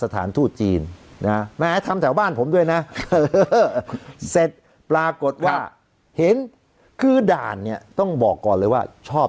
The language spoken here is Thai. ท่านผู้ชมแป๊บเดียวครับ